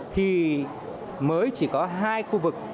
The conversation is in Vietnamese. thì mới chỉ có hai khu vực